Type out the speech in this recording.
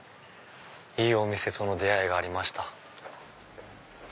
いいお店との出会いがありました。